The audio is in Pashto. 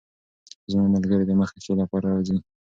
زما ملګرې د مخې ښې لپاره راځي.